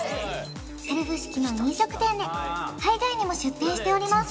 セルフ式の飲食店で海外にも出店しております